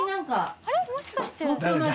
もしかして。